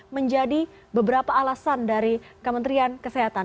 menjadi beberapa alasan dari kementerian kesehatan